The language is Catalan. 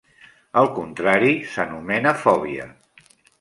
El contrari s'anomena fòbia.